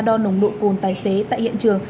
đo nồng đội côn tài xế tại hiện trường